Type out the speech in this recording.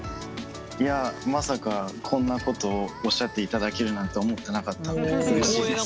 いやまさかこんなことおっしゃっていただけるなんて思ってなかったのでうれしいです。